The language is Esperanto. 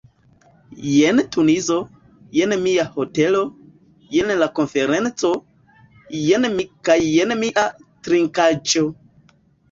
Jen Tunizo, jen mia hotelo, jen la konferenco, jen mi kaj jen mia trinkaĵo.